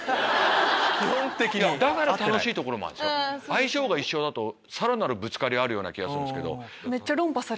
相性が一緒だとさらなるぶつかりあるような気がする。